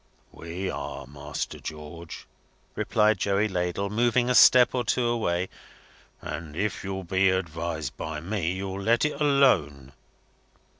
"We are Master George," replied Joey Ladle, moving a step or two away, "and if you'll be advised by me, you'll let it alone."